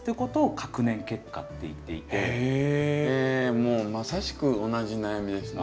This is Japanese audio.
もうまさしく同じ悩みですね。